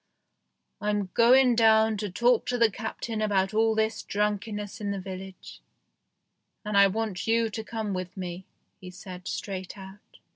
"I'm going down to talk to the Captain about all this drunkenness in the village, and I want you to come with me," he said straight out.